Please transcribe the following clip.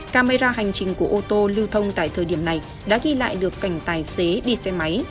camera hành trình của ô tô lưu thông tại thời điểm này đã ghi lại được cảnh tài xế đi xe máy